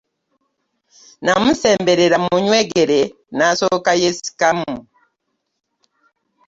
Namusemberera mmunywegere n'asooka yeesikamu.